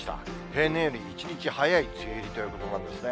平年より１日早い梅雨入りということなんですね。